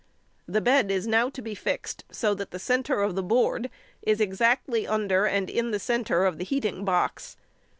The bed is now to be fixed, so that the centre of the board is exactly under and in the centre of the heating box.